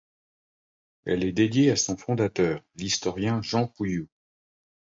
Elle est dédiée à son fondateur, l'historien Jean Pouilloux.